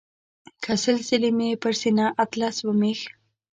که سل ځله مې پر سینه اطلس ومیښ.